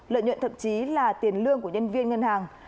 lợi nhuận thậm chí là tiền lương của nhân viên ngân hàng